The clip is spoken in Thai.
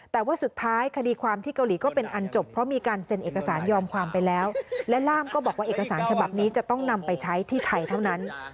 แต่ว่าสุดท้ายคดีความที่เกาหลีก็เป็นอันจบเพราะมีการเซ็นเอกสารยอมความไปแล้วและล่ามก็บอกว่าเอกสารฉบับนี้จะต้องนำไปใช้ที่ไทยเท่านั้น